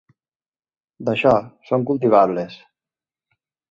D'això, són cultivables.